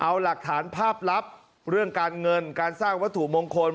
เอาหลักฐานภาพลับเรื่องการเงินการสร้างวัตถุมงคล